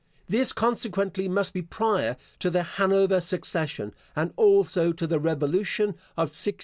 This, consequently, must be prior to the Hanover succession, and also to the Revolution of 1688.